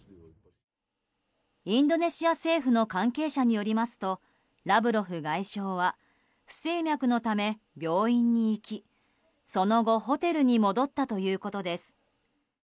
インドネシア政府の関係者によりますとラブロフ外相は不整脈のため病院に行きその後ホテルに戻ったということです。